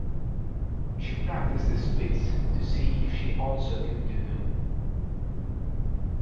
She practicised the splits to see if she also could do them.